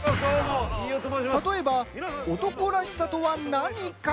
例えば、男らしさとは何か？